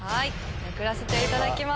めくらせていただきます。